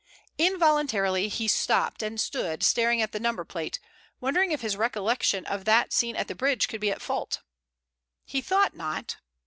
Involuntarily he stopped and stood staring at the number plate, wondering if his recollection of that seen at the bridge could be at fault. He thought not.